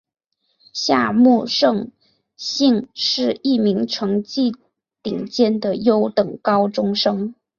夏木胜幸是一名成绩顶尖的优等高中生。